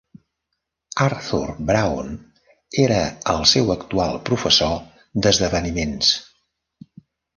Arthur Brown era el seu actual professor d'esdeveniments.